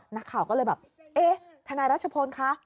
นักข่าวก็เลยแบบมไญรัชพล์คะ